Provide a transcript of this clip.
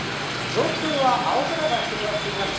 上空は青空が広がっています。